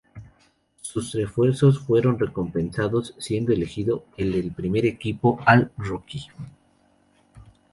Sus esfuerzos fueron recompensados siendo elegido en el primer equipo "All-Rookie".